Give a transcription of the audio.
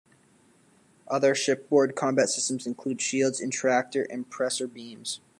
Other shipboard combat systems include shields, and tractor and pressor beams.